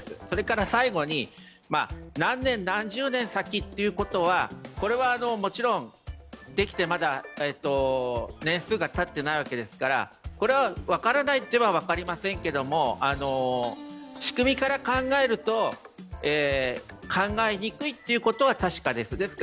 それから最後に何年、何十年先っていうことはもちろん、できてまだ年数がたっていないわけですから、これは分からないといえば分かりませんけど、仕組みから考えると考えにくいっていうことは確かです。